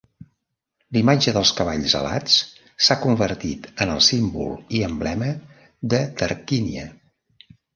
La imatge dels cavalls alats s'ha convertit en el símbol i emblema de Tarquínia.